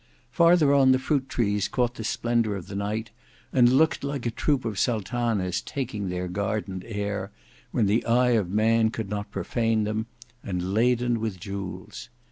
Farther on the fruit trees caught the splendour of the night; and looked like a troop of sultanas taking their gardened air, when the eye of man could not profane them, and laden with jewels.